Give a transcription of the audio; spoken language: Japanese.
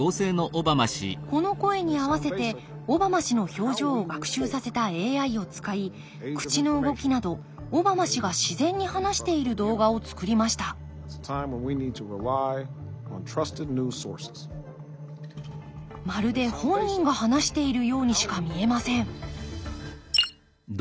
この声に合わせてオバマ氏の表情を学習させたＡＩを使い口の動きなどオバマ氏が自然に話している動画をつくりましたまるで本人が話しているようにしか見えません